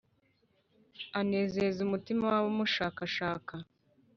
anezeza umutima w’abamushakashaka.